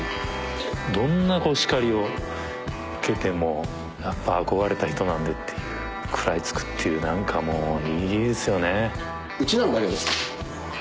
どんなこう叱りを受けてもやっぱ憧れた人なんでっていう食らいつくっていう何かもういいですよね。